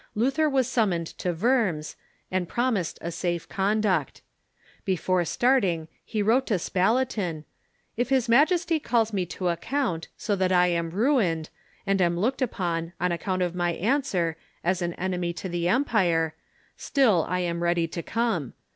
Luther was summoned to Worms, and promised a safe conduct. Be fore starting he wrote to Spalatin :" If his majesty calls me to account, so that I am ruined, and am looked upon, on ac count of my answer, as an enemy to the empire, still I am ready to come.